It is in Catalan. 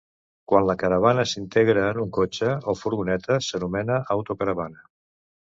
Quan la caravana s'integra en un cotxe o furgoneta, s'anomena autocaravana.